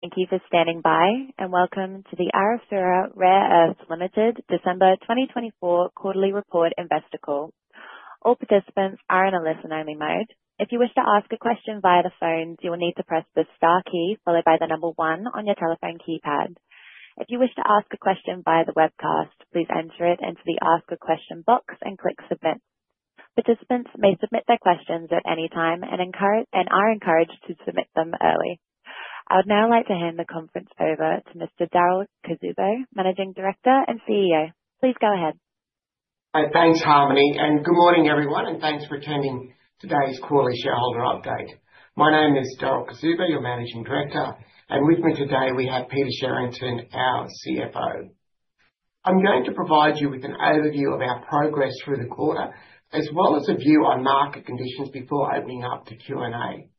Thank you for standing by, and welcome to the Arafura Rare Earths Limited December 2024 Quarterly Report Investor Call. All participants are in a listen-only mode. If you wish to ask a question via the phone, you will need to press the star key followed by the number one on your telephone keypad. If you wish to ask a question via the webcast, please enter it into the Ask a Question box and click Submit. Participants may submit their questions at any time and are encouraged to submit them early. I would now like to hand the conference over to Mr. Darryl Cuzzubo, Managing Director and CEO. Please go ahead. Thanks, Harmony, and good morning, everyone, and thanks for attending today's Quarterly Shareholder Update. My name is Darryl Cuzzubbo, your Managing Director, and with me today we have Peter Sherrington, our CFO. I'm going to provide you with an overview of our progress through the quarter, as well as a view on market conditions before opening up to Q&A.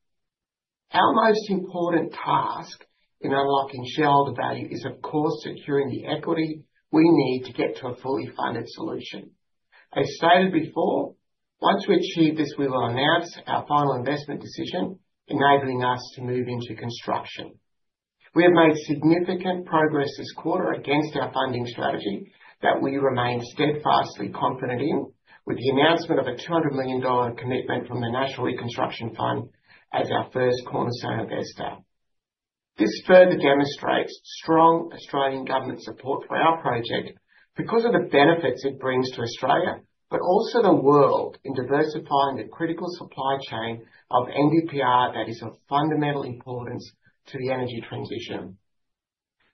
Our most important task in unlocking shareholder value is, of course, securing the equity we need to get to a fully funded solution. As stated before, once we achieve this, we will announce our final investment decision, enabling us to move into construction. We have made significant progress this quarter against our funding strategy that we remain steadfastly confident in, with the announcement of a 200 million dollar commitment from the National Reconstruction Fund as our first cornerstone investor. This further demonstrates strong Australian government support for our project because of the benefits it brings to Australia, but also the world in diversifying the critical supply chain of NdPr that is of fundamental importance to the energy transition.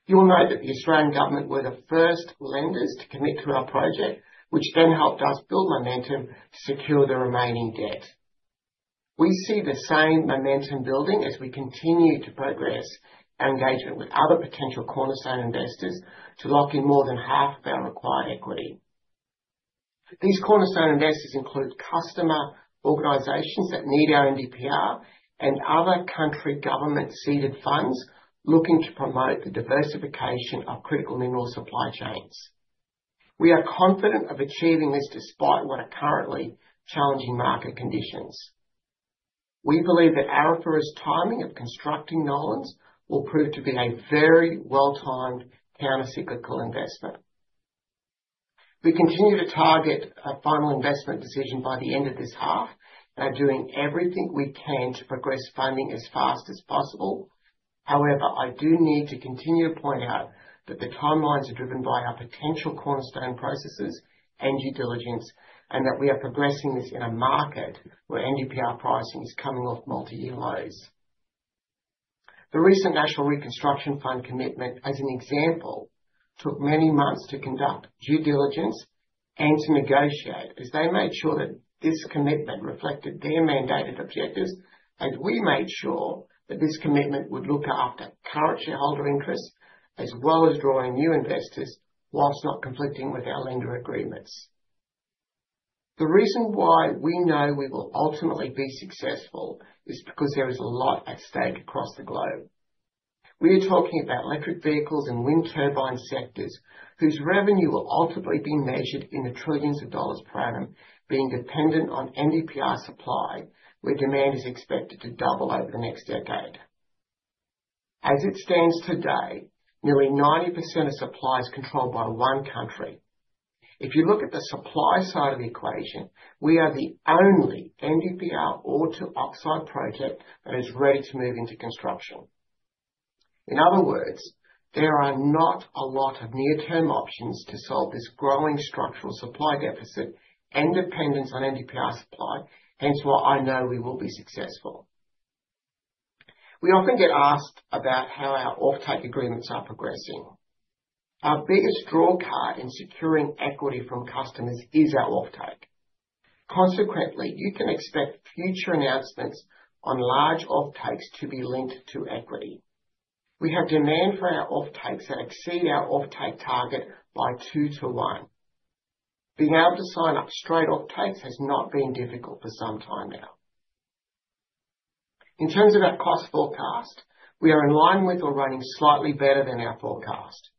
You will note that the Australian government were the first lenders to commit to our project, which then helped us build momentum to secure the remaining debt. We see the same momentum building as we continue to progress our engagement with other potential cornerstone investors to lock in more than half of our required equity. These cornerstone investors include customer organizations that need our NdPr and other country government-seeded funds looking to promote the diversification of critical mineral supply chains. We are confident of achieving this despite what are currently challenging market conditions. We believe that Arafura's timing of constructing Nolans will prove to be a very well-timed countercyclical investment. We continue to target a final investment decision by the end of this half and are doing everything we can to progress funding as fast as possible. However, I do need to continue to point out that the timelines are driven by our potential cornerstone partners and due diligence, and that we are progressing this in a market where NdPr pricing is coming off multi-year lows. The recent National Reconstruction Fund commitment, as an example, took many months to conduct due diligence and to negotiate as they made sure that this commitment reflected their mandated objectives, and we made sure that this commitment would look after current shareholder interests as well as drawing new investors while not conflicting with our lender agreements. The reason why we know we will ultimately be successful is because there is a lot at stake across the globe. We are talking about electric vehicles and wind turbine sectors whose revenue will ultimately be measured in the trillions of dollars per annum, being dependent on NdPr supply where demand is expected to double over the next decade. As it stands today, nearly 90% of supply is controlled by one country. If you look at the supply side of the equation, we are the only NdPr ore-to-oxide project that is ready to move into construction. In other words, there are not a lot of near-term options to solve this growing structural supply deficit and dependence on NdPr supply, hence why I know we will be successful. We often get asked about how our offtake agreements are progressing. Our biggest drawcard in securing equity from customers is our offtake. Consequently, you can expect future announcements on large offtakes to be linked to equity. We have demand for our offtakes that exceed our offtake target by two to one. Being able to sign up straight offtakes has not been difficult for some time now. In terms of our cost forecast, we are in line with or running slightly better than our forecast.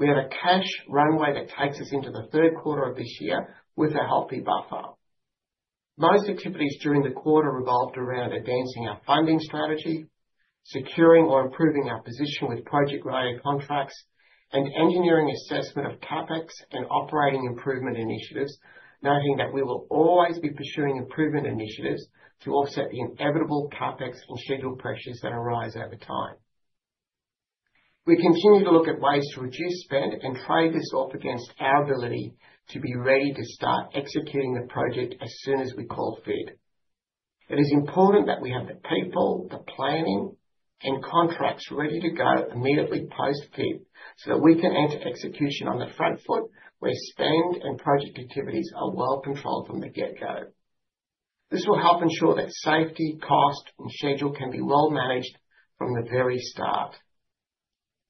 We have a cash runway that takes us into the third quarter of this year with a healthy buffer. Most activities during the quarter revolved around advancing our funding strategy, securing or improving our position with project-related contracts, and engineering assessment of CapEx and operating improvement initiatives, noting that we will always be pursuing improvement initiatives to offset the inevitable CapEx and schedule pressures that arise over time. We continue to look at ways to reduce spend and trade this off against our ability to be ready to start executing the project as soon as we call FID. It is important that we have the people, the planning, and contracts ready to go immediately post-FID so that we can enter execution on the front foot where spend and project activities are well controlled from the get-go. This will help ensure that safety, cost, and schedule can be well managed from the very start.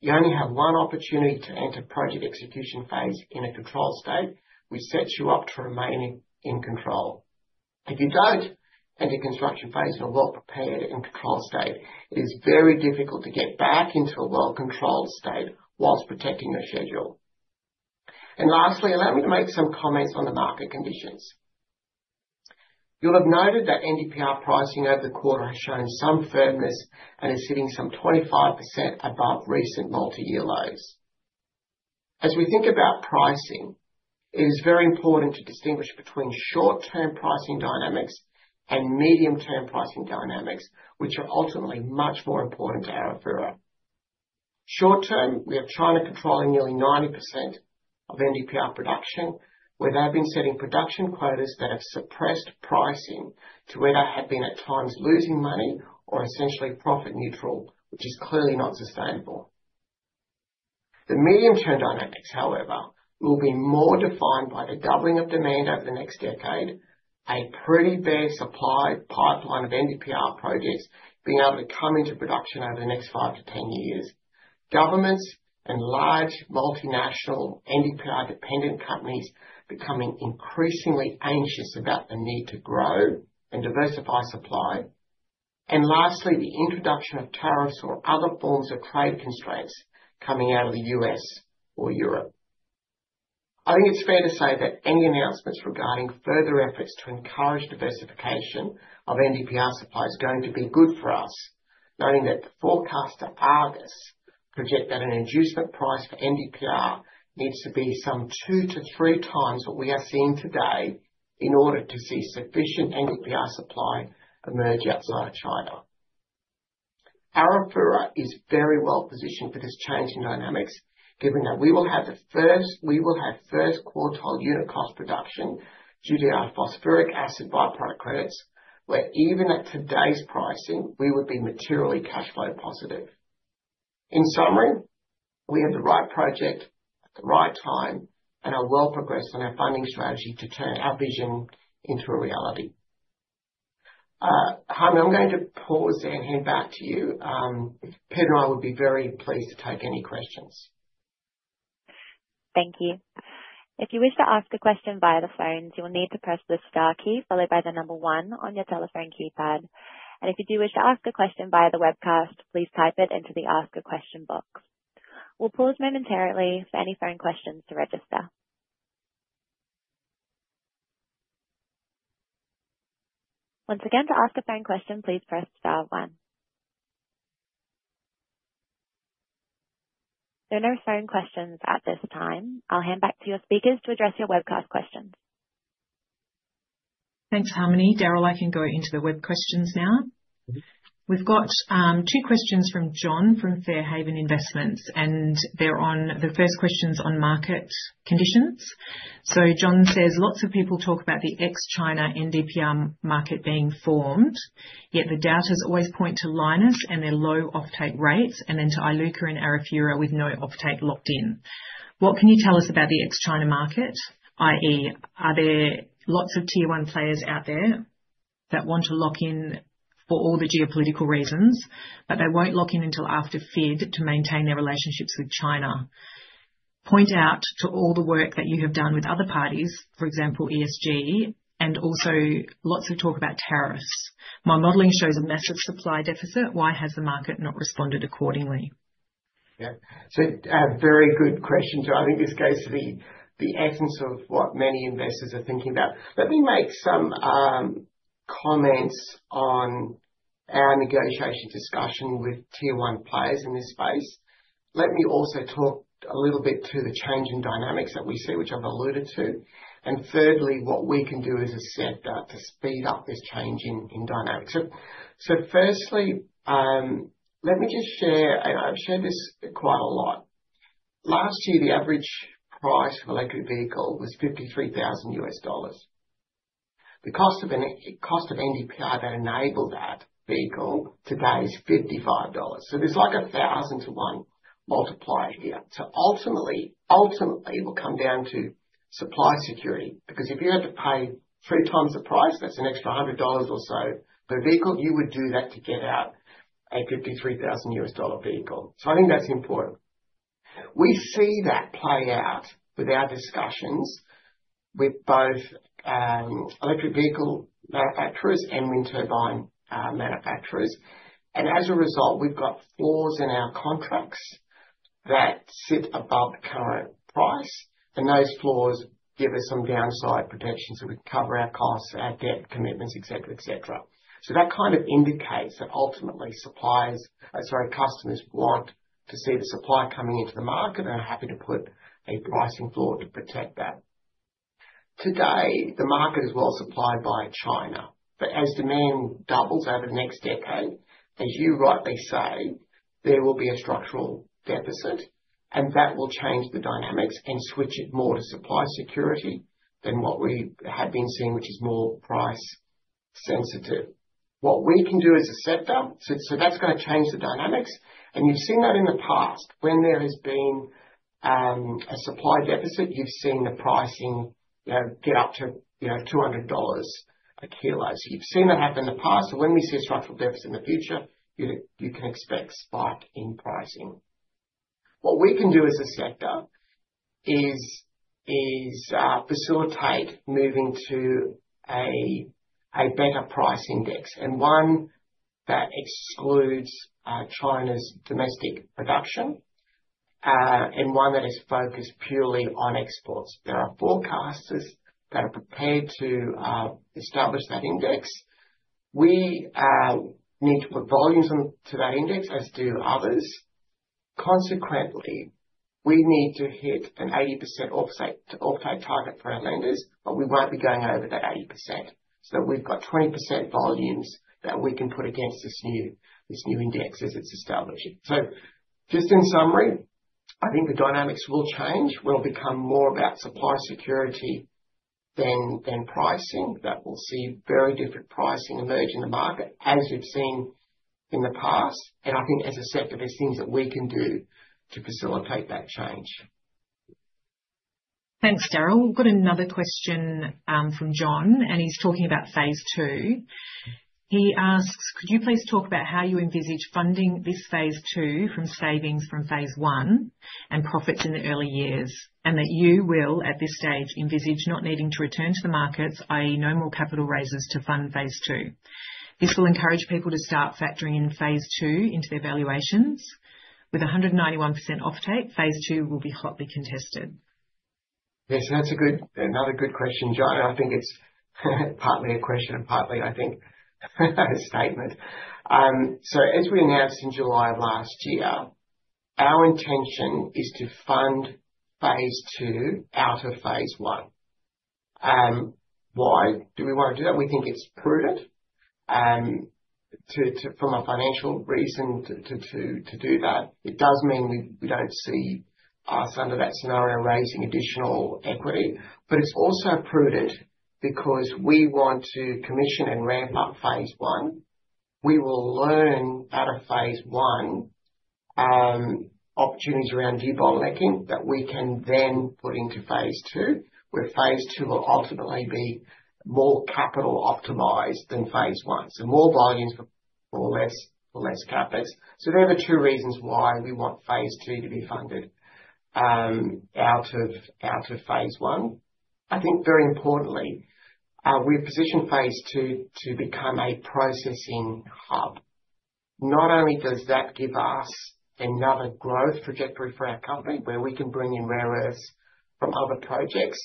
You only have one opportunity to enter project execution phase in a controlled state, which sets you up to remain in control. If you don't enter construction phase in a well-prepared and controlled state, it is very difficult to get back into a well-controlled state whilst protecting your schedule. And lastly, allow me to make some comments on the market conditions. You'll have noted that NdPr pricing over the quarter has shown some firmness and is sitting some 25% above recent multi-year lows. As we think about pricing, it is very important to distinguish between short-term pricing dynamics and medium-term pricing dynamics, which are ultimately much more important to Arafura. Short-term, we have China controlling nearly 90% of NdPr production, where they've been setting production quotas that have suppressed pricing to where they have been at times losing money or essentially profit neutral, which is clearly not sustainable. The medium-term dynamics, however, will be more defined by the doubling of demand over the next decade, a pretty big supply pipeline of NdPr projects being able to come into production over the next five to ten years, governments and large multinational NdPr-dependent companies becoming increasingly anxious about the need to grow and diversify supply, and lastly, the introduction of tariffs or other forms of trade constraints coming out of the U.S. or Europe. I think it's fair to say that any announcements regarding further efforts to encourage diversification of NdPr supply is going to be good for us, noting that the forecasts to August project that an inducement price for NdPr needs to be some two to three times what we are seeing today in order to see sufficient NdPr supply emerge outside of China. Arafura is very well positioned for this change in dynamics, given that we will have the first quartile unit cost production due to our phosphoric acid byproduct credits, where even at today's pricing, we would be materially cash flow positive. In summary, we have the right project at the right time and are well progressed on our funding strategy to turn our vision into a reality. Harmony, I'm going to pause and hand back to you. Peter and I will be very pleased to take any questions. Thank you. If you wish to ask a question via the phone, you will need to press the star key followed by the number one on your telephone keypad. And if you do wish to ask a question via the webcast, please type it into the Ask a Question box. We'll pause momentarily for any phone questions to register. Once again, to ask a phone question, please press star one. There are no phone questions at this time. I'll hand back to your speakers to address your webcast questions. Thanks, Harmony. Darryl, I can go into the web questions now. We've got two questions from John from Fairhaven Investments, and they're on the first questions on market conditions. So John says, "Lots of people talk about the ex-China NdPr market being formed, yet the doubters always point to Lynas and their low offtake rates and then to Iluka and Arafura with no offtake locked in. What can you tell us about the ex-China market, i.e., are there lots of tier one players out there that want to lock in for all the geopolitical reasons, but they won't lock in until after FID to maintain their relationships with China? Point out to all the work that you have done with other parties, for example, ESG, and also lots of talk about tariffs. My modelling shows a massive supply deficit. Why has the market not responded accordingly? Yeah. So very good questions. I think this goes to the essence of what many investors are thinking about. Let me make some comments on our negotiation discussion with tier one players in this space. Let me also talk a little bit to the change in dynamics that we see, which I've alluded to. And thirdly, what we can do as a sector to speed up this change in dynamics. So firstly, let me just share, and I've shared this quite a lot. Last year, the average price for an electric vehicle was $53,000. The cost of NdPr that enabled that vehicle today is $55. So there's like a thousand to one multiplier here. So ultimately, it will come down to supply security because if you had to pay three times the price, that's an extra $100 or so per vehicle. You would do that to get out a $53,000 vehicle. So I think that's important. We see that play out with our discussions with both electric vehicle manufacturers and wind turbine manufacturers. And as a result, we've got floors in our contracts that sit above the current price, and those floors give us some downside protection so we can cover our costs, our debt commitments, etc., etc. So that kind of indicates that ultimately suppliers, sorry, customers want to see the supply coming into the market and are happy to put a pricing floor to protect that. Today, the market is well supplied by China, but as demand doubles over the next decade, as you rightly say, there will be a structural deficit, and that will change the dynamics and switch it more to supply security than what we have been seeing, which is more price sensitive. What we can do as a sector, so that's going to change the dynamics, and you've seen that in the past. When there has been a supply deficit, you've seen the pricing get up to $200 a kilo, so you've seen that happen in the past, so when we see a structural deficit in the future, you can expect a spike in pricing. What we can do as a sector is facilitate moving to a better price index, and one that excludes China's domestic production and one that is focused purely on exports. There are forecasters that are prepared to establish that index. We need to put volumes on to that index, as do others. Consequently, we need to hit an 80% offtake target for our lenders, but we won't be going over that 80%. So we've got 20% volumes that we can put against this new index as it's establishing. So just in summary, I think the dynamics will change. We'll become more about supply security than pricing. That will see very different pricing emerge in the market as we've seen in the past. And I think as a sector, there's things that we can do to facilitate that change. Thanks, Darryl. We've got another question from John, and he's talking about phase two. He asks, "Could you please talk about how you envisage funding this phase two from savings from phase one and profits in the early years, and that you will at this stage envisage not needing to return to the markets, i.e., no more capital raises to fund phase two? This will encourage people to start factoring in phase two into their valuations. With 191% offtake, phase two will be hotly contested. Yes, that's another good question, John. I think it's partly a question and partly, I think, a statement. So as we announced in July of last year, our intention is to fund phase two out of phase one. Why do we want to do that? We think it's prudent from a financial reason to do that. It does mean we don't see us under that scenario raising additional equity, but it's also prudent because we want to commission and ramp up phase one. We will learn out of phase one opportunities around debottlenecking that we can then put into phase two, where phase two will ultimately be more capital optimized than phase one. So more volumes for less CapEx. So there are the two reasons why we want phase two to be funded out of phase one. I think very importantly, we've positioned phase two to become a processing hub. Not only does that give us another growth trajectory for our company where we can bring in rare earths from other projects,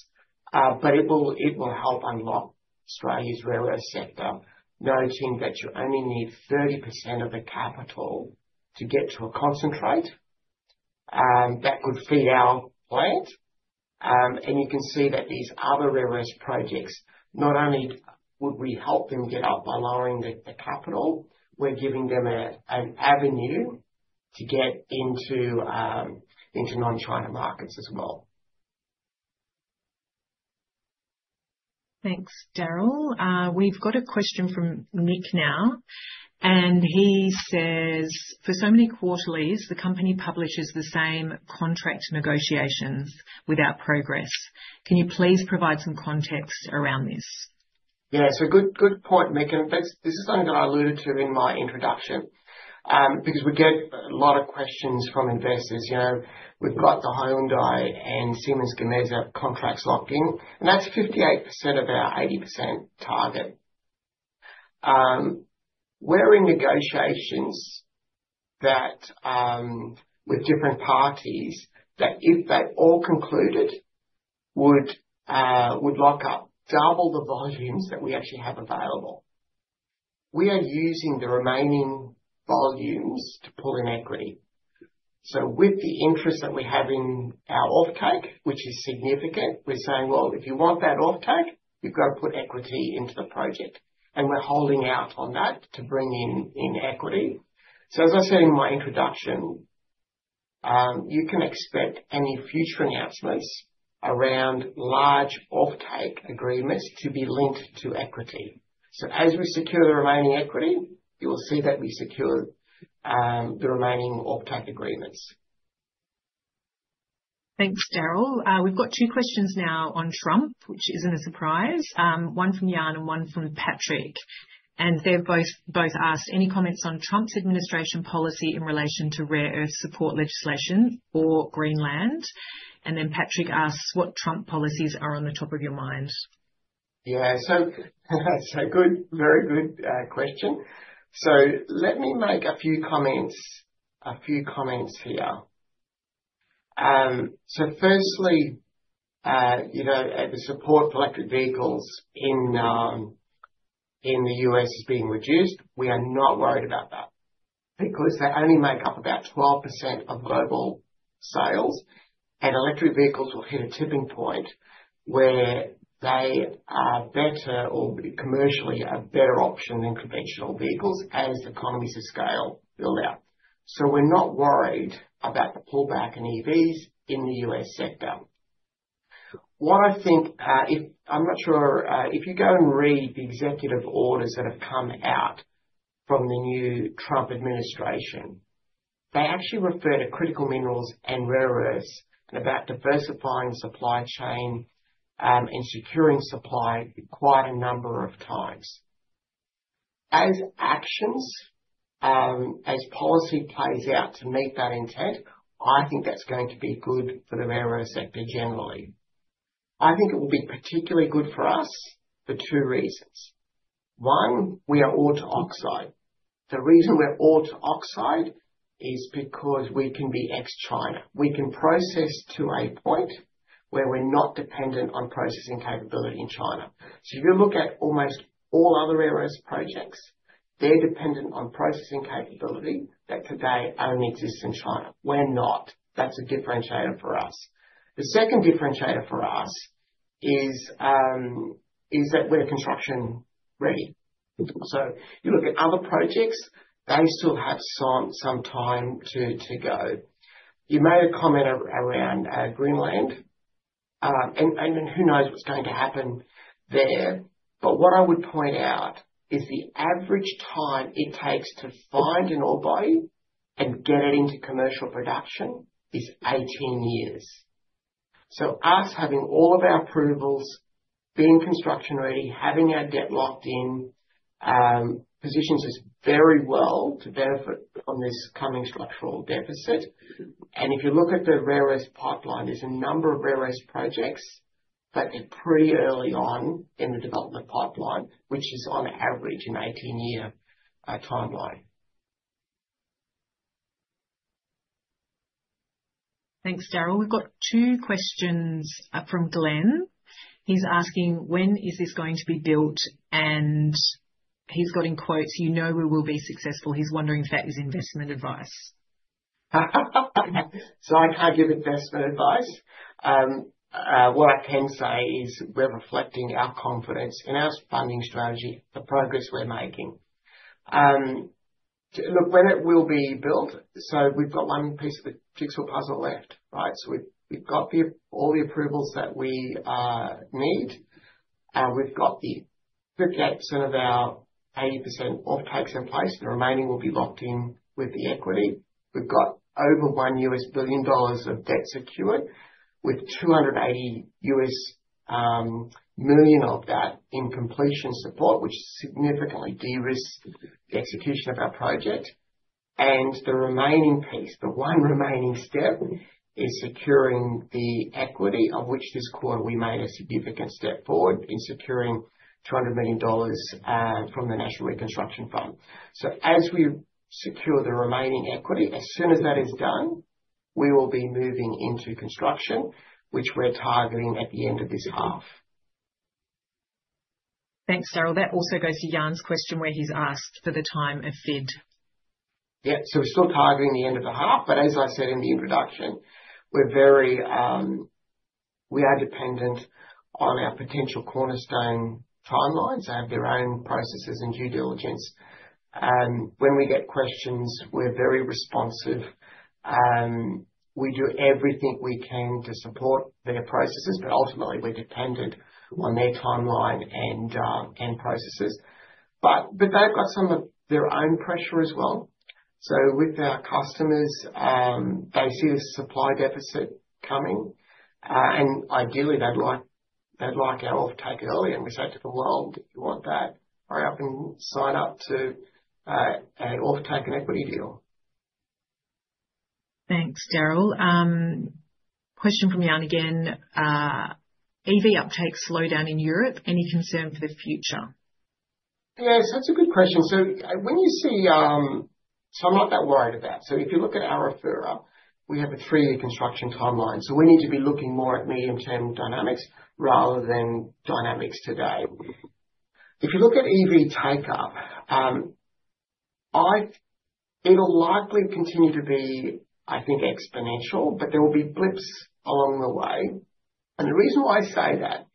but it will help unlock Australia's rare earth sector, noting that you only need 30% of the capital to get to a concentrate that could feed our plant, and you can see that these other rare earth projects, not only would we help them get up by lowering the capital, we're giving them an avenue to get into non-China markets as well. Thanks, Darryl. We've got a question from Nick now, and he says, "For so many quarterlies, the company publishes the same contract negotiations without progress. Can you please provide some context around this? Yeah, so good point, Nick, and this is something that I alluded to in my introduction because we get a lot of questions from investors. We've got the Hyundai and Siemens Gamesa contracts locked in, and that's 58% of our 80% target. We're in negotiations with different parties that if they all concluded, would lock up double the volumes that we actually have available. We are using the remaining volumes to pull in equity, so with the interest that we have in our offtake, which is significant, we're saying, "Well, if you want that offtake, you've got to put equity into the project," and we're holding out on that to bring in equity, so as I said in my introduction, you can expect any future announcements around large offtake agreements to be linked to equity. So as we secure the remaining equity, you will see that we secure the remaining offtake agreements. Thanks, Darryl. We've got two questions now on Trump, which isn't a surprise, one from Jan and one from Patrick. And they've both asked, "Any comments on Trump's administration policy in relation to rare earth support legislation or Greenland?" And then Patrick asks, "What Trump policies are on the top of your mind? Yeah. So good, very good question. So let me make a few comments here. So firstly, the support for electric vehicles in the U.S. is being reduced. We are not worried about that because they only make up about 12% of global sales, and electric vehicles will hit a tipping point where they are better or commercially a better option than conventional vehicles as economies of scale build out. So we're not worried about the pullback in EVs in the U.S. sector. What I think, I'm not sure, if you go and read the executive orders that have come out from the new Trump administration, they actually refer to critical minerals and rare earths and about diversifying supply chain and securing supply quite a number of times. As actions, as policy plays out to meet that intent, I think that's going to be good for the rare earth sector generally. I think it will be particularly good for us for two reasons. One, we are ore-to-oxide. The reason we're ore-to-oxide is because we can be ex-China. We can process to a point where we're not dependent on processing capability in China. So if you look at almost all other rare earth projects, they're dependent on processing capability that today only exists in China. We're not. That's a differentiator for us. The second differentiator for us is that we're construction-ready. So you look at other projects, they still have some time to go. You made a comment around Greenland, and who knows what's going to happen there. But what I would point out is the average time it takes to find an ore body and get it into commercial production is 18 years. So us having all of our approvals, being construction-ready, having our debt locked in, positions us very well to benefit from this coming structural deficit. And if you look at the rare earth pipeline, there's a number of rare earth projects, but they're pretty early on in the development pipeline, which is on average an 18-year timeline. Thanks, Darryl. We've got two questions from Glen. He's asking, "When is this going to be built?" And he's got in quotes, "You know we will be successful." He's wondering if that is investment advice. So I can't give investment advice. What I can say is we're reflecting our confidence in our funding strategy, the progress we're making. Look, when it will be built, so we've got one piece of the jigsaw puzzle left, right? So we've got all the approvals that we need. We've got the 58% of our 80% offtakes in place. The remaining will be locked in with the equity. We've got over $1 billion of debt secured, with $280 million of that in completion support, which significantly de-risked the execution of our project. And the remaining piece, the one remaining step, is securing the equity, of which this quarter we made a significant step forward in securing 200 million dollars from the National Reconstruction Fund. So as we secure the remaining equity, as soon as that is done, we will be moving into construction, which we're targeting at the end of this half. Thanks, Darryl. That also goes to Jan's question where he's asked for the time of FID. Yeah. So we're still targeting the end of the half, but as I said in the introduction, we are dependent on our potential cornerstone timelines that have their own processes and due diligence. When we get questions, we're very responsive. We do everything we can to support their processes, but ultimately we're dependent on their timeline and processes. But they've got some of their own pressure as well. So with our customers, they see the supply deficit coming, and ideally, they'd like our offtake early, and we say to the world, "You want that?" Or, "You're up and sign up to an offtake and equity deal. Thanks, Darryl. Question from Jan again. EV uptake slowdown in Europe. Any concern for the future? Yes. That's a good question. So when you see something like that, we're worried about. So if you look at our Arafura, we have a three-year construction timeline. So we need to be looking more at medium-term dynamics rather than dynamics today. If you look at EV take-up, it'll likely continue to be, I think, exponential, but there will be blips along the way. And the reason why I say that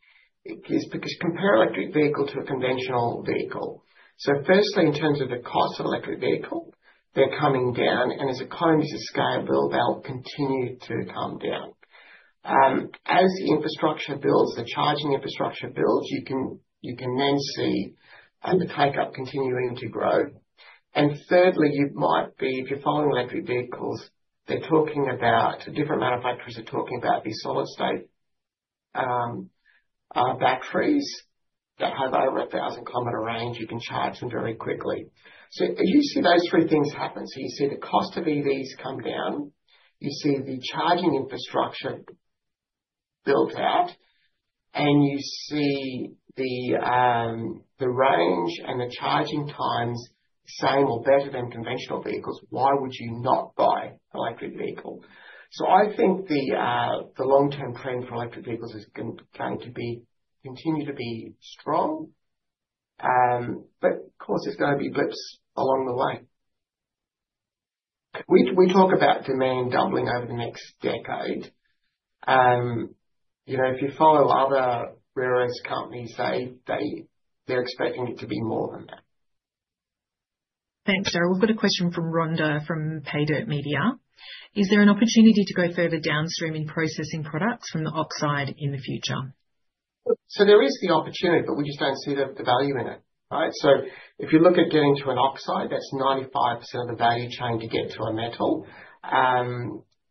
is because compare electric vehicle to a conventional vehicle. So firstly, in terms of the cost of electric vehicle, they're coming down, and as economies of scale build, they'll continue to come down. As the infrastructure builds, the charging infrastructure builds, you can then see the take-up continuing to grow. And thirdly, you might be, if you're following electric vehicles, they're talking about different manufacturers are talking about these solid-state batteries that have over 1,000-kilometer range. You can charge them very quickly, so you see those three things happen, so you see the cost of EVs come down. You see the charging infrastructure built out, and you see the range and the charging times same or better than conventional vehicles. Why would you not buy an electric vehicle, so I think the long-term trend for electric vehicles is going to continue to be strong, but of course, there's going to be blips along the way. We talk about demand doubling over the next decade. If you follow other rare earth companies, say they're expecting it to be more than that. Thanks, Darryl. We've got a question from Rhonda from Paydirt Media. Is there an opportunity to go further downstream in processing products from the oxide in the future? So there is the opportunity, but we just don't see the value in it, right? So if you look at getting to an oxide, that's 95% of the value chain to get to a metal.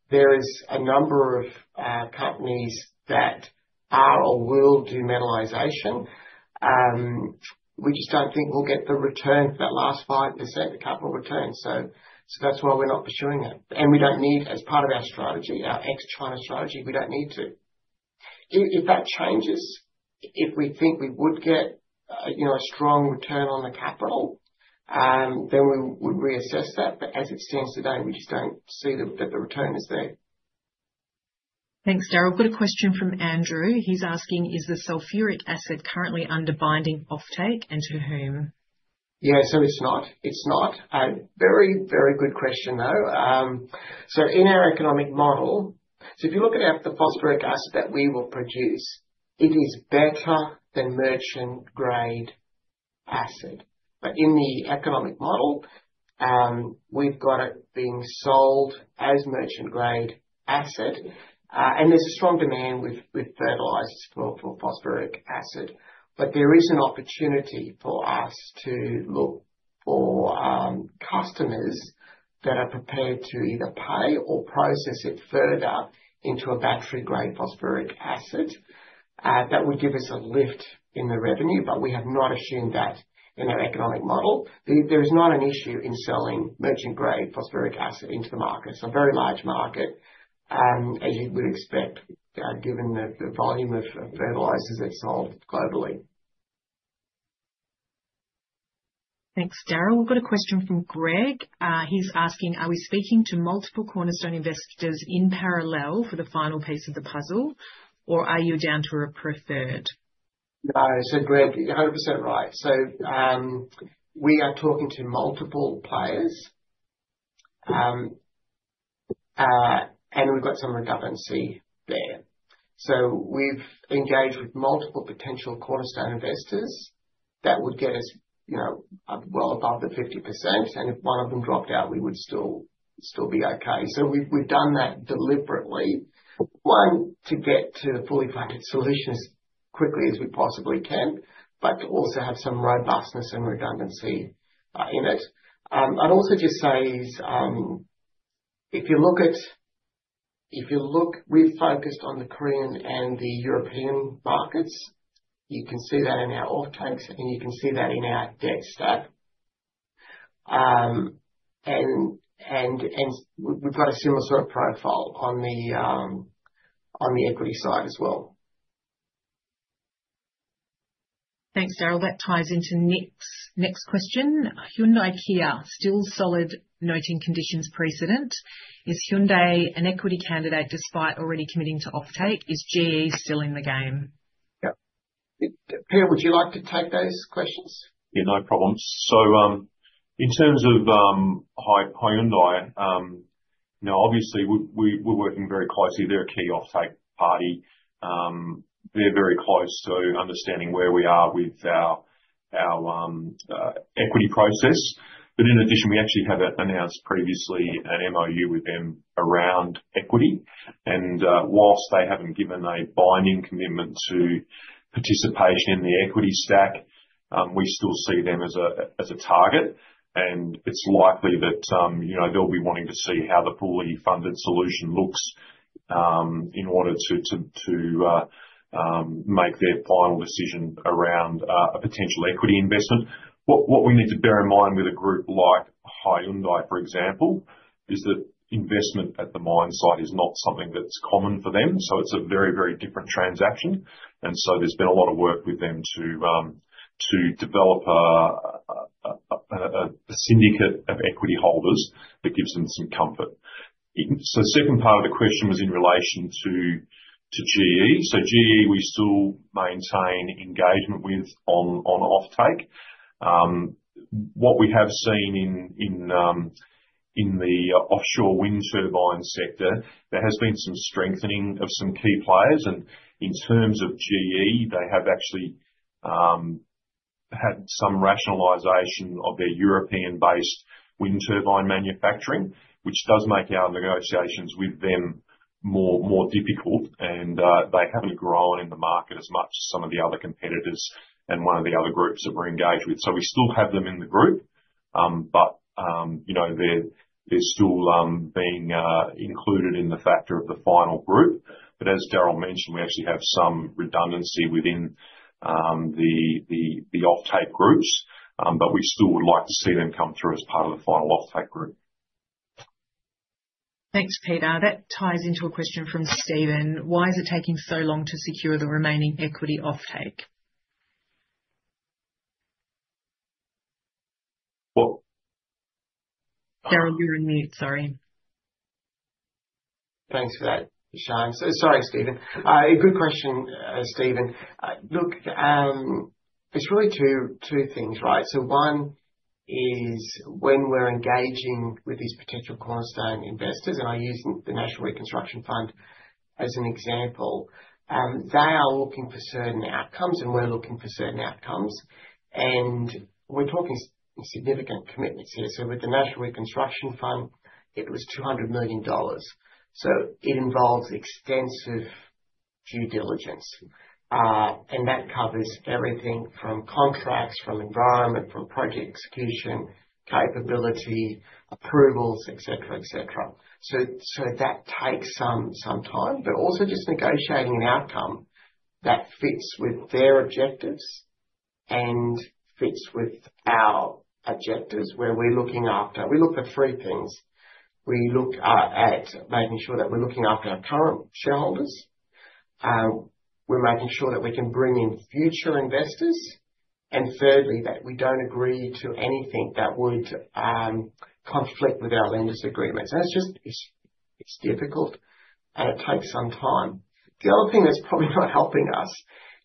There is a number of companies that are or will do metallization. We just don't think we'll get the return for that last 5%, the capital return. So that's why we're not pursuing it. And we don't need, as part of our strategy, our ex-China strategy, we don't need to. If that changes, if we think we would get a strong return on the capital, then we would reassess that. But as it stands today, we just don't see that the return is there. Thanks, Darryl. We've got a question from Andrew. He's asking, "Is the sulfuric acid currently under binding offtake and to whom? Yeah. So it's not. Very, very good question, though. So in our economic model, so if you look at the phosphoric acid that we will produce, it is better than merchant-grade acid. But in the economic model, we've got it being sold as merchant-grade acid. And there's a strong demand with fertilizers for phosphoric acid. But there is an opportunity for us to look for customers that are prepared to either pay or process it further into a battery-grade phosphoric acid that would give us a lift in the revenue. But we have not assumed that in our economic model. There is not an issue in selling merchant-grade phosphoric acid into the market. It's a very large market, as you would expect, given the volume of fertilizers that's sold globally. Thanks, Darryl. We've got a question from Greg. He's asking, "Are we speaking to multiple cornerstone investors in parallel for the final piece of the puzzle, or are you down to a preferred? No. So Greg, you're 100% right. So we are talking to multiple players, and we've got some redundancy there. So we've engaged with multiple potential cornerstone investors that would get us well above the 50%. And if one of them dropped out, we would still be okay. So we've done that deliberately, one, to get to the fully funded solution as quickly as we possibly can, but to also have some robustness and redundancy in it. I'd also just say, if you look, we've focused on the Korean and the European markets. You can see that in our offtakes, and you can see that in our debt stack. And we've got a similar sort of profile on the equity side as well. Thanks, Darryl. That ties into next question. Hyundai-Kia, still solid noting conditions precedent. Is Hyundai an equity candidate despite already committing to offtake? Is GE still in the game? Yeah. Peter, would you like to take those questions? Yeah, no problem. So in terms of Hyundai, obviously, we're working very closely. They're a key offtake party. They're very close to understanding where we are with our equity process. But in addition, we actually have announced previously an MOU with them around equity. And whilst they haven't given a binding commitment to participation in the equity stack, we still see them as a target. And it's likely that they'll be wanting to see how the fully funded solution looks in order to make their final decision around a potential equity investment. What we need to bear in mind with a group like Hyundai, for example, is that investment at the mine site is not something that's common for them. So it's a very, very different transaction. And so there's been a lot of work with them to develop a syndicate of equity holders that gives them some comfort. So the second part of the question was in relation to GE. So GE, we still maintain engagement with on offtake. What we have seen in the offshore wind turbine sector, there has been some strengthening of some key players. And in terms of GE, they have actually had some rationalization of their European-based wind turbine manufacturing, which does make our negotiations with them more difficult. And they haven't grown in the market as much as some of the other competitors and one of the other groups that we're engaged with. So we still have them in the group, but they're still being included in the factor of the final group. But as Darryl mentioned, we actually have some redundancy within the offtake groups, but we still would like to see them come through as part of the final offtake group. Thanks, Peter. That ties into a question from Stephen. Why is it taking so long to secure the remaining equity offtake? What? Darryl, you're on mute. Sorry. Thanks for that, Shaan. Sorry, Stephen. A good question, Stephen. Look, it's really two things, right? So one is when we're engaging with these potential cornerstone investors, and I use the National Reconstruction Fund as an example, they are looking for certain outcomes, and we're looking for certain outcomes. And we're talking significant commitments here. So with the National Reconstruction Fund, it was 200 million dollars. So it involves extensive due diligence. And that covers everything from contracts, from environment, from project execution, capability, approvals, etc., etc. So that takes some time, but also just negotiating an outcome that fits with their objectives and fits with our objectives where we're looking after. We look for three things. We look at making sure that we're looking after our current shareholders. We're making sure that we can bring in future investors. Thirdly, that we don't agree to anything that would conflict with our lenders' agreements. And it's difficult, and it takes some time. The other thing that's probably not helping us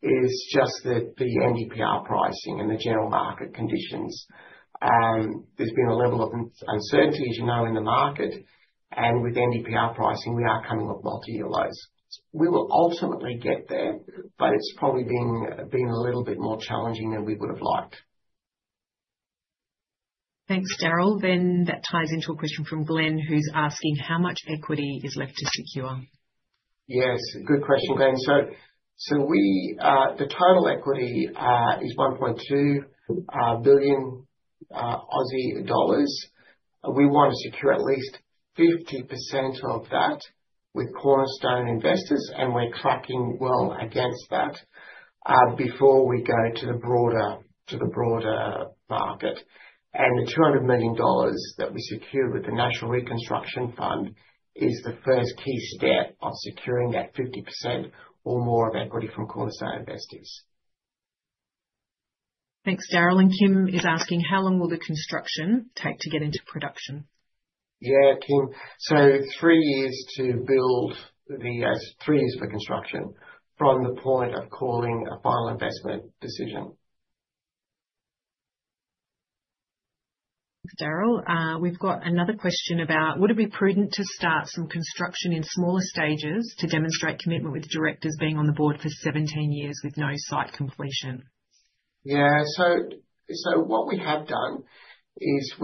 is just the NdPr pricing and the general market conditions. There's been a level of uncertainty, as you know, in the market. And with NdPr pricing, we are coming off multi-year lows. We will ultimately get there, but it's probably being a little bit more challenging than we would have liked. Thanks, Darryl. Then that ties into a question from Glenn, who's asking, "How much equity is left to secure? Yes. Good question, Glenn. So the total equity is 1.2 billion. We want to secure at least 50% of that with cornerstone investors, and we're tracking well against that before we go to the broader market. And the 200 million dollars that we secure with the National Reconstruction Fund is the first key step of securing that 50% or more of equity from cornerstone investors. Thanks, Darryl. And Kim is asking, "How long will the construction take to get into production? Yeah, Kim. So three years to build the three years for construction from the point of calling a Final Investment Decision. Thanks, Darryl. We've got another question about, "Would it be prudent to start some construction in smaller stages to demonstrate commitment with directors being on the board for 17 years with no site completion? Yeah. So what we have done is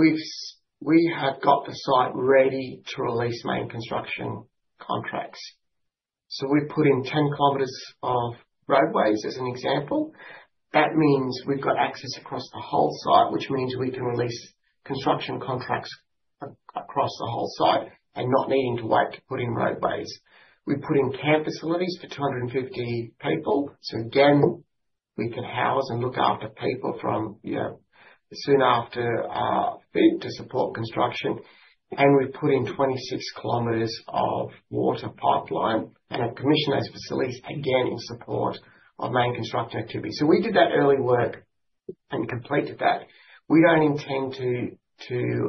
we have got the site ready to release main construction contracts. So we've put in 10 kilometers of roadways as an example. That means we've got access across the whole site, which means we can release construction contracts across the whole site and not needing to wait to put in roadways. We've put in camp facilities for 250 people. So again, we can house and look after people from soon after our FID to support construction. And we've put in 26 kilometers of water pipeline and have commissioned those facilities again in support of main construction activity. So we did that early work and completed that. We don't intend to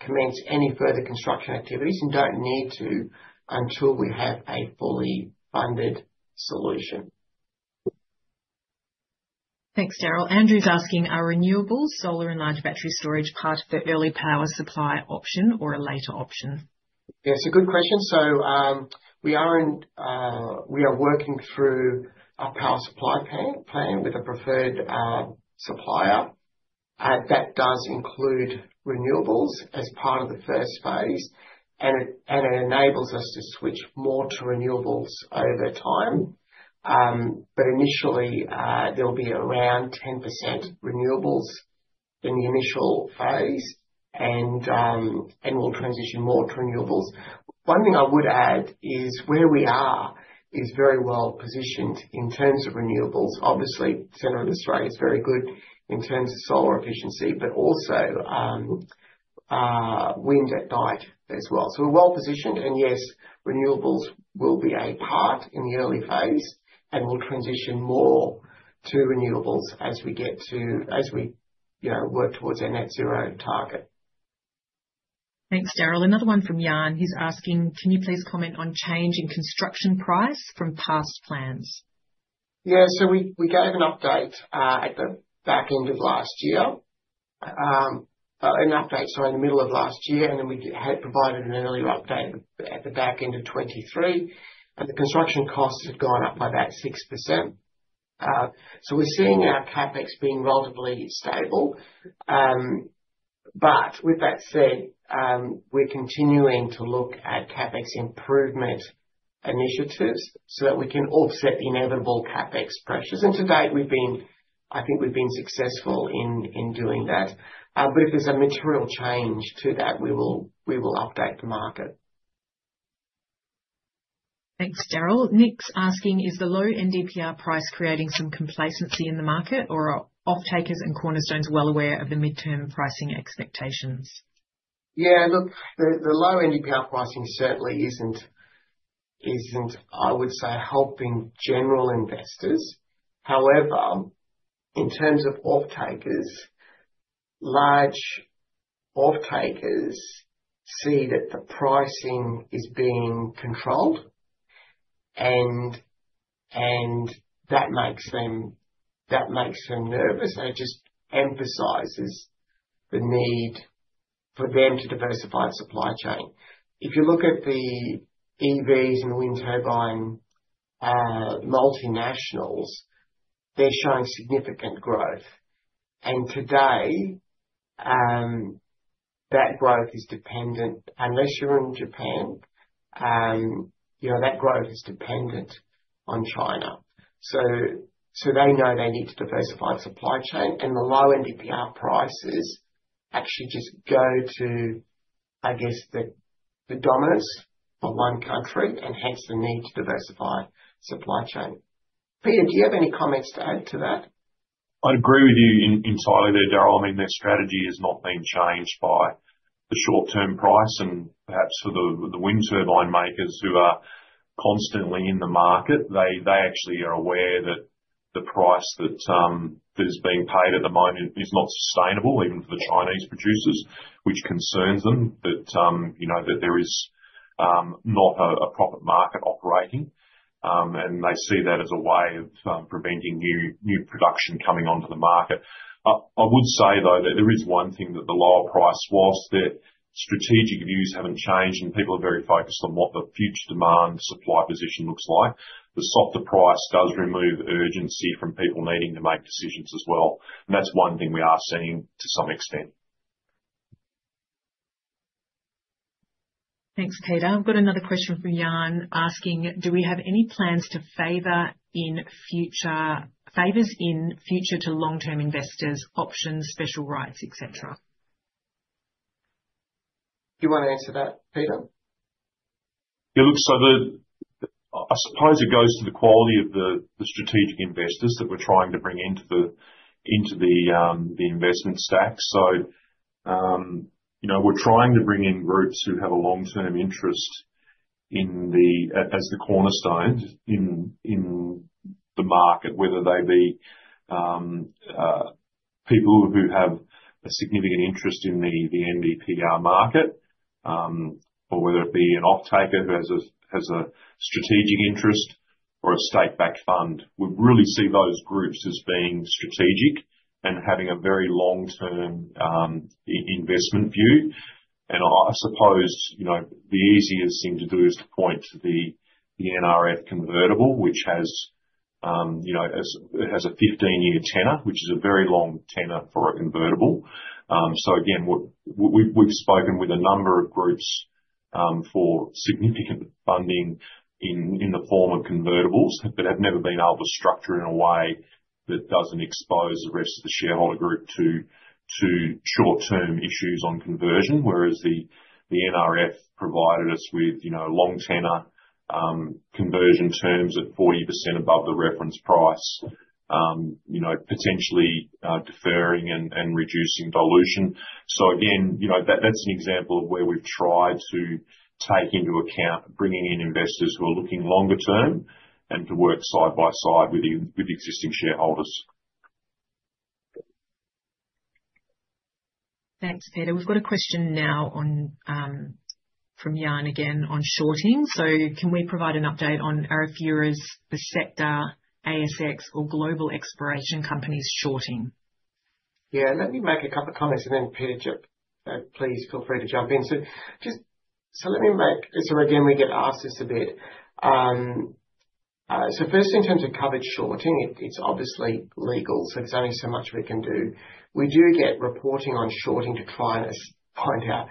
commence any further construction activities and don't need to until we have a fully funded solution. Thanks, Darryl. Andrew's asking, "Are renewables, solar and large battery storage, part of the early power supply option or a later option? Yeah. It's a good question. So we are working through a power supply plan with a preferred supplier. That does include renewables as part of the first phase, and it enables us to switch more to renewables over time. But initially, there will be around 10% renewables in the initial phase, and we'll transition more to renewables. One thing I would add is where we are is very well positioned in terms of renewables. Obviously, the center of Australia is very good in terms of solar efficiency, but also wind at night as well. So we're well positioned. And yes, renewables will be a part in the early phase, and we'll transition more to renewables as we get to as we work towards our net zero target. Thanks, Darryl. Another one from Jan. He's asking, "Can you please comment on change in construction price from past plans? Yeah. So we gave an update at the back end of last year. An update, sorry, in the middle of last year. And then we had provided an earlier update at the back end of 2023. And the construction costs have gone up by about 6%. So we're seeing our CapEx being relatively stable. But with that said, we're continuing to look at CapEx improvement initiatives so that we can offset the inevitable CapEx pressures. And to date, I think we've been successful in doing that. But if there's a material change to that, we will update the market. Thanks, Darryl. Nick's asking, "Is the low NdPr price creating some complacency in the market, or are offtakers and cornerstones well aware of the midterm pricing expectations? Yeah. Look, the low NDPR pricing certainly isn't, I would say, helping general investors. However, in terms of offtakers, large offtakers see that the pricing is being controlled, and that makes them nervous. It just emphasizes the need for them to diversify the supply chain. If you look at the EVs and wind turbine multinationals, they're showing significant growth. Today, that growth is dependent unless you're in Japan, that growth is dependent on China. So they know they need to diversify the supply chain. The low NDPR prices actually just go to, I guess, the dominance of one country and hence the need to diversify the supply chain. Peter, do you have any comments to add to that? I'd agree with you entirely there, Darryl. I mean, their strategy has not been changed by the short-term price, and perhaps for the wind turbine makers who are constantly in the market, they actually are aware that the price that is being paid at the moment is not sustainable, even for the Chinese producers, which concerns them that there is not a proper market operating, and they see that as a way of preventing new production coming onto the market. I would say, though, that there is one thing that the lower price, while their strategic views haven't changed and people are very focused on what the future demand supply position looks like, the softer price does remove urgency from people needing to make decisions as well, and that's one thing we are seeing to some extent. Thanks, Peter. I've got another question from Jan asking, "Do we have any plans to favor in future to long-term investors options, special rights, etc.? Do you want to answer that, Peter? Yeah. Look, so I suppose it goes to the quality of the strategic investors that we're trying to bring into the investment stack. So we're trying to bring in groups who have a long-term interest as the cornerstones in the market, whether they be people who have a significant interest in the NdPr market or whether it be an offtaker who has a strategic interest or a state-backed fund. We really see those groups as being strategic and having a very long-term investment view. And I suppose the easiest thing to do is to point to the NRF convertible, which has a 15-year tenor, which is a very long tenor for a convertible. So again, we've spoken with a number of groups for significant funding in the form of convertibles but have never been able to structure it in a way that doesn't expose the rest of the shareholder group to short-term issues on conversion, whereas the NRF provided us with long-tenor conversion terms at 40% above the reference price, potentially deferring and reducing dilution. So again, that's an example of where we've tried to take into account bringing in investors who are looking longer term and to work side by side with existing shareholders. Thanks, Peter. We've got a question now from Jan again on shorting. So can we provide an update on Arafura, Beretta, ASX, or global exploration companies shorting? Yeah. Let me make a couple of comments, and then Peter, please feel free to jump in. So let me make it so again, we get asked this a bit. So first, in terms of covered shorting, it's obviously legal, so there's only so much we can do. We do get reporting on shorting to try and find out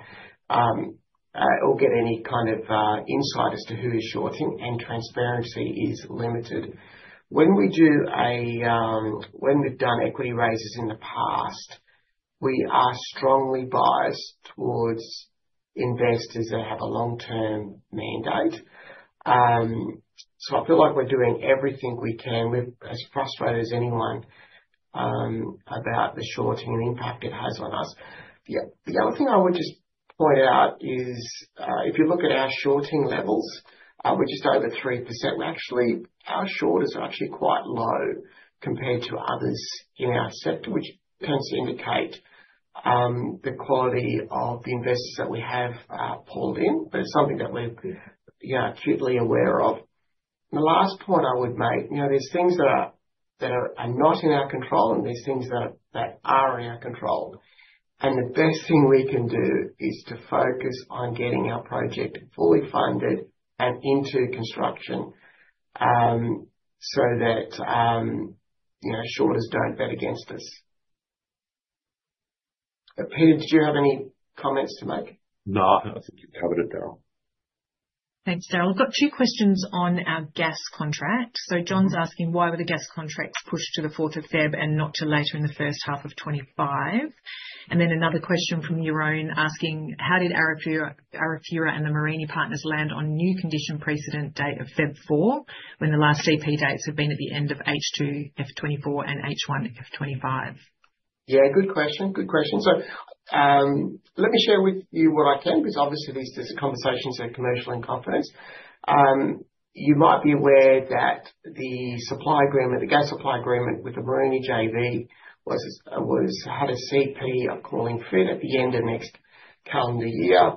or get any kind of insight as to who is shorting, and transparency is limited. When we've done equity raises in the past, we are strongly biased towards investors that have a long-term mandate. So I feel like we're doing everything we can. We're as frustrated as anyone about the shorting and the impact it has on us. The other thing I would just point out is if you look at our shorting levels, we're just over 3%. Actually, our shorters are actually quite low compared to others in our sector, which tends to indicate the quality of the investors that we have pulled in. But it's something that we're acutely aware of. And the last point I would make, there's things that are not in our control and there's things that are in our control. And the best thing we can do is to focus on getting our project fully funded and into construction so that shorters don't bet against us. Peter, did you have any comments to make? No. I think you've covered it, Darryl. Thanks, Darryl. We've got two questions on our gas contract. So John's asking, "Why were the gas contracts pushed to the 4th of February and not to later in the first half of 2025?" And then another question from Yaron asking, "How did Arafura and the Mereenie Joint Venture land on new condition precedent date of February 4 when the last CP dates have been at the end of H2F24 and H1F25? Yeah. Good question. Good question. So let me share with you what I can because obviously, these are conversations at commercial confidence. You might be aware that the gas supply agreement with the Mereenie JV had a CP of FID at the end of next calendar year.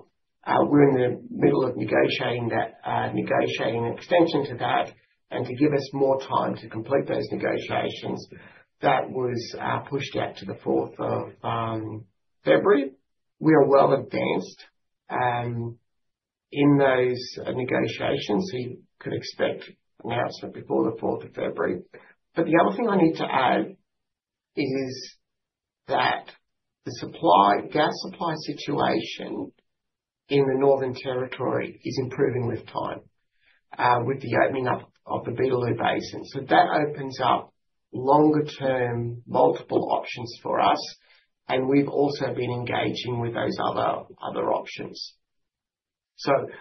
We're in the middle of negotiating an extension to that. And to give us more time to complete those negotiations, that was pushed out to the 4th of February. We are well advanced in those negotiations, so you could expect an announcement before the 4th of February. But the other thing I need to add is that the gas supply situation in the Northern Territory is improving with time with the opening up of the Beetaloo Basin. So that opens up longer-term multiple options for us, and we've also been engaging with those other options. The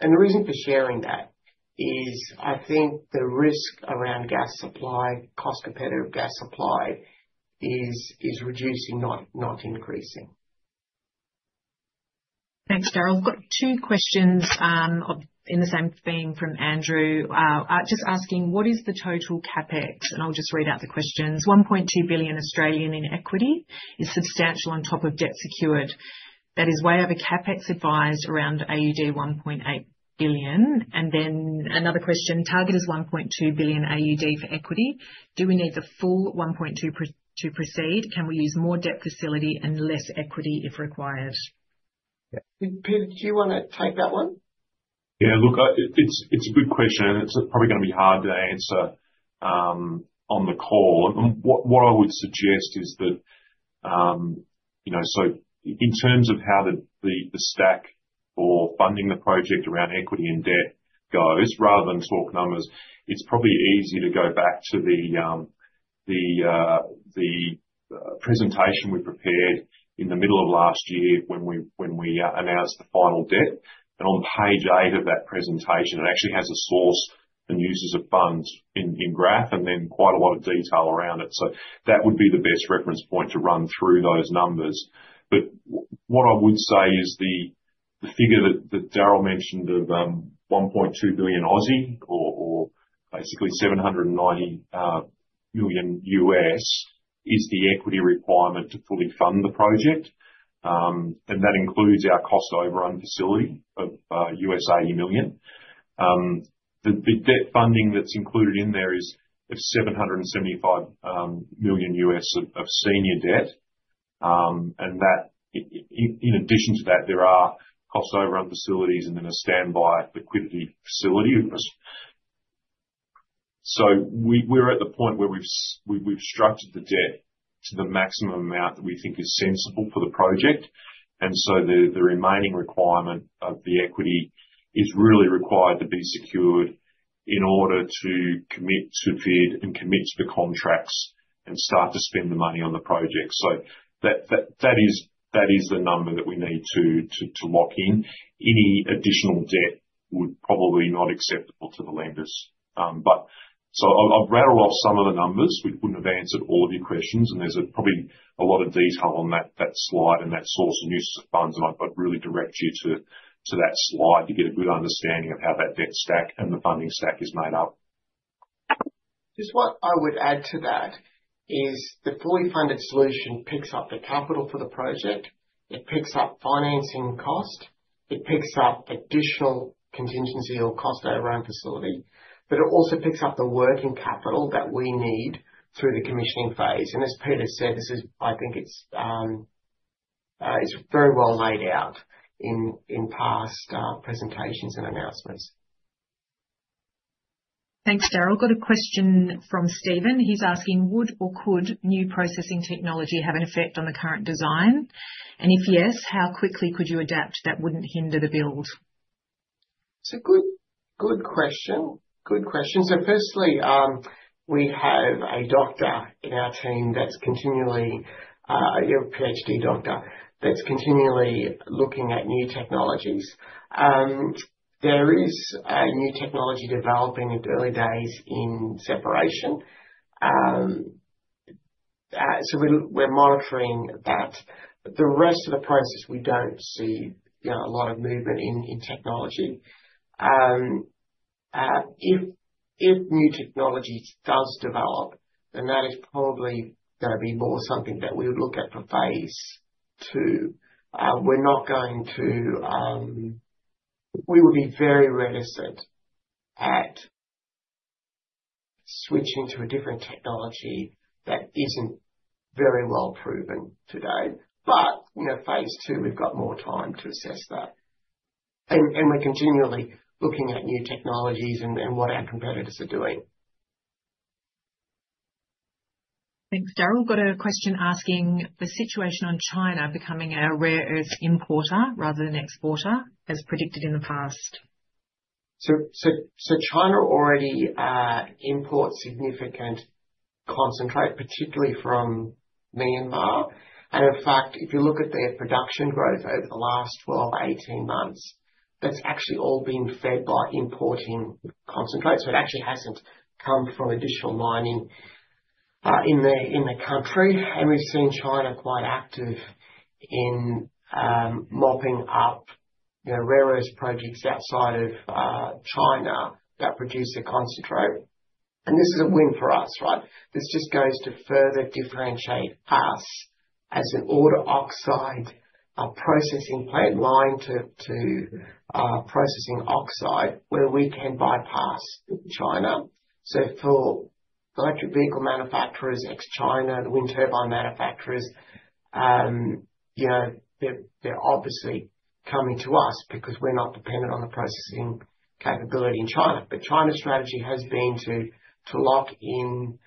reason for sharing that is I think the risk around cost-competitive gas supply is reducing, not increasing. Thanks, Darryl. We've got two questions in the same theme from Andrew. Just asking, "What is the total CapEx?" And I'll just read out the questions. "1.2 billion in equity is substantial on top of debt secured. That is way over CapEx advised around AUD 1.8 billion." And then another question, "Target is 1.2 billion AUD for equity. Do we need the full 1.2 to proceed? Can we use more debt facility and less equity if required? Yeah. Peter, do you want to take that one? Yeah. Look, it's a good question, and it's probably going to be hard to answer on the call, and what I would suggest is that so in terms of how the stack or funding the project around equity and debt goes, rather than talk numbers, it's probably easier to go back to the presentation we prepared in the middle of last year when we announced the final debt. On page eight of that presentation, it actually has a sources and uses of funds graph and then quite a lot of detail around it. So that would be the best reference point to run through those numbers. But what I would say is the figure that Darryl mentioned of 1.2 billion or basically $790 million is the equity requirement to fully fund the project. That includes our cost overrun facility of $80 million. The debt funding that's included in there is $775 million of senior debt. In addition to that, there are cost overrun facilities and then a standby liquidity facility. We're at the point where we've structured the debt to the maximum amount that we think is sensible for the project. The remaining requirement of the equity is really required to be secured in order to commit to FID and commit to the contracts and start to spend the money on the project. That is the number that we need to lock in. Any additional debt would probably be not acceptable to the lenders. I've rattled off some of the numbers, which wouldn't have answered all of your questions. There's probably a lot of detail on that slide and that source of new funds. I'd really direct you to that slide to get a good understanding of how that debt stack and the funding stack is made up. Just what I would add to that is the fully funded solution picks up the capital for the project. It picks up financing cost. It picks up additional contingency or cost overrun facility. But it also picks up the working capital that we need through the commissioning phase. And as Peter said, I think it's very well laid out in past presentations and announcements. Thanks, Darryl. We've got a question from Stephen. He's asking, "Would or could new processing technology have an effect on the current design? And if yes, how quickly could you adapt that wouldn't hinder the build? It's a good question. Good question. Firstly, we have a doctor in our team, a PhD doctor, that's continually looking at new technologies. There is a new technology developing in the early days in separation, so we're monitoring that. The rest of the process, we don't see a lot of movement in technology. If new technology does develop, then that is probably going to be more something that we would look at for phase two. We would be very reticent at switching to a different technology that isn't very well proven today, but phase two, we've got more time to assess that, and we're continually looking at new technologies and what our competitors are doing. Thanks, Darryl. We've got a question asking, "The situation on China becoming a rare earth importer rather than exporter as predicted in the past? China already imports significant concentrate, particularly from Myanmar. In fact, if you look at their production growth over the last 12-18 months, that's actually all been fed by importing concentrate. It actually hasn't come from additional mining in the country. We've seen China quite active in mopping up rare earth projects outside of China that produce a concentrate. This is a win for us, right? This just goes to further differentiate us as an ore-to-oxide processing plant lined to process oxide where we can bypass China. For electric vehicle manufacturers ex-China, the wind turbine manufacturers, they're obviously coming to us because we're not dependent on the processing capability in China. China's strategy has been to lock in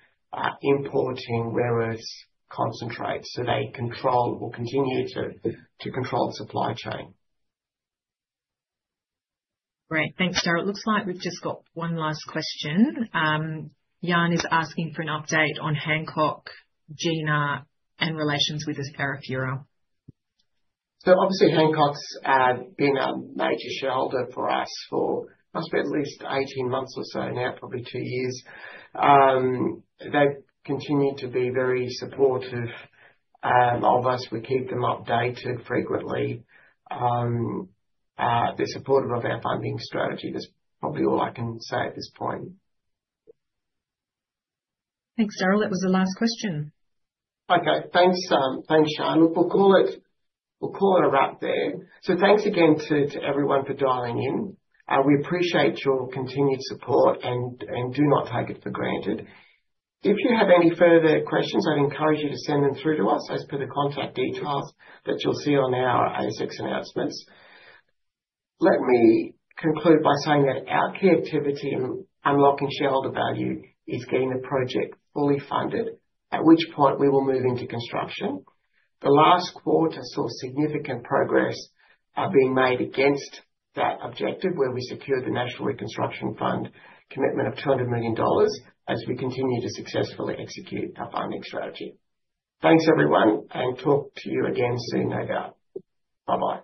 importing rare earth concentrates so they will continue to control the supply chain. Great. Thanks, Darryl. It looks like we've just got one last question. Jan is asking for an update on Hancock, Gina, and relations with Arafura. So obviously, Hancock's been a major shareholder for us for at least 18 months or so now, probably two years. They've continued to be very supportive of us. We keep them updated frequently. They're supportive of our funding strategy. That's probably all I can say at this point. Thanks, Darryl. That was the last question. Okay. Thanks, Shaan. We'll call it a wrap there. So thanks again to everyone for dialing in. We appreciate your continued support and do not take it for granted. If you have any further questions, I'd encourage you to send them through to us as per the contact details that you'll see on our ASX announcements. Let me conclude by saying that our key activity in unlocking shareholder value is getting the project fully funded, at which point we will move into construction. The last quarter saw significant progress being made against that objective where we secured the National Reconstruction Fund commitment of 200 million dollars as we continue to successfully execute our funding strategy. Thanks, everyone, and talk to you again soon, no doubt. Bye-bye.